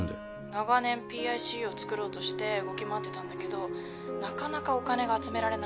長年ＰＩＣＵを作ろうとして動き回ってたんだけどなかなかお金が集められなかったみたいで。